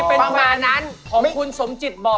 เออ